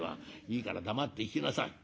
いいから黙って聞きなさい。